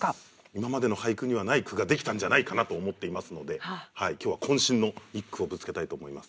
今までの俳句にはない句ができたんじゃないかなと思っていますので今日はこん身の一句をぶつけたいと思います。